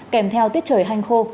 kèm theo tiết trời hanh khô